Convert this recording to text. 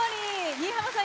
新浜さん